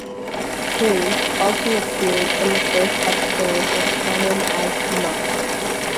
James, also appeared in the first episode of Common As Muck.